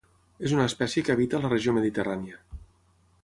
És una espècie que habita la regió Mediterrània.